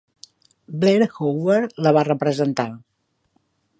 Blair Howard la va representar.